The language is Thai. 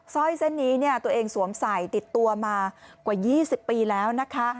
ร้อยเส้นนี้ตัวเองสวมใส่ติดตัวมากว่า๒๐ปีแล้วนะคะ